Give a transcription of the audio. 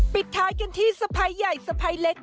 ปิดท้ายกันที่สะพายใหญ่สะพายเล็ก